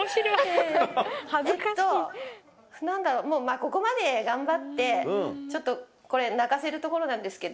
えっと何だろうもうまぁここまで頑張ってちょっとこれ泣かせるところなんですけど。